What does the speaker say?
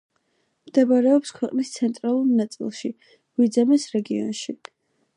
მდებარეობს ქვეყნის ცენტრალურ ნაწილში, ვიძემეს რეგიონში.